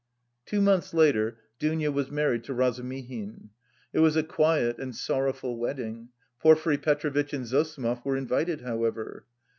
Two months later Dounia was married to Razumihin. It was a quiet and sorrowful wedding; Porfiry Petrovitch and Zossimov were invited however.